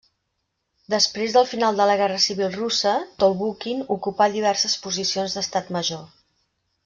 Després del final de la Guerra Civil Russa, Tolbukhin ocupà diverses posicions d'estat major.